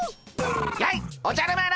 やいおじゃる丸！